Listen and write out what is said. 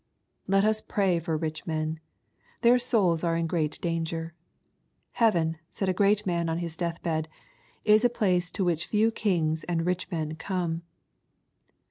Let us pray for rich men. Their souls are in great danger. " Heaven," said a great man on his death bed, "is a place to which few kings and rich men come.''